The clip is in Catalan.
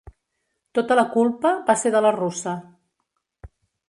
Tota la culpa va ser de la russa.